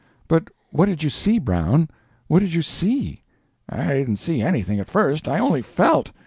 "But what did you see, Brown—what did you see?" "I didn't see anything, at first—I only felt.